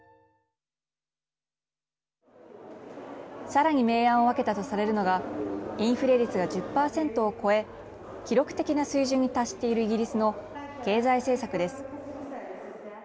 さらに明暗を分けたとされるのがインフレ率が１０％を超え記録的な水準に達しているイギリスの経済政策です。